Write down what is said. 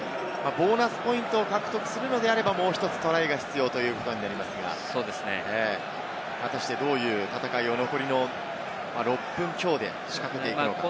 ボーナスポイントを獲得するのであれば、もう１つトライが必要ということになりますが、果たしてどういう戦い、残りの６分強で仕掛けてくるでしょうか。